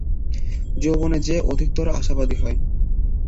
যৌবনে সে অধিকতর আশাবাদী হয়।